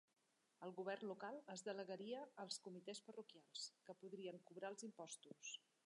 El govern local es delegaria als comitès parroquials, que podrien cobrar els impostos.